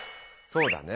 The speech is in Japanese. そうだね。